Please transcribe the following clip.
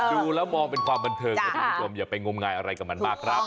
ดูแล้วมองเป็นความบันเทิงนะคุณผู้ชมอย่าไปงมงายอะไรกับมันมากครับ